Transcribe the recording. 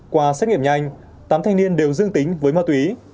qua xét nghiệm nhanh tám thanh niên đều dương tính với ma túy